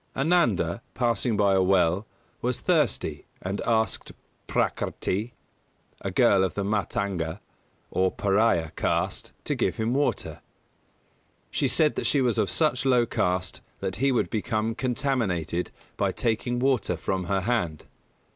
Ananda, passing by a well, was thirsty and asked Prakrti, a girl of the Mātanga, or Pariah, caste, to give him water. She said she was of such low caste that he would become contaminated by taking water from her hand.